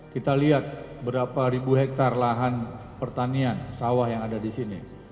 kita lihat berapa ribu hektare lahan pertanian sawah yang ada di sini